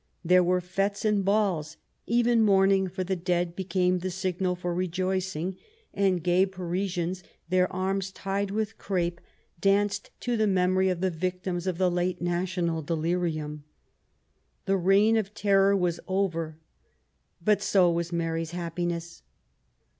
There were fStes and balls. Even mourning for the dead became the signal for rejoicing ; and gay Parisians, their arms tied with crape, danced to the memory of the victims of the late national delirium. The Reign of Terror was over, but so was Mary's happiness.